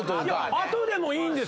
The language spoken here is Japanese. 前でもいいんです。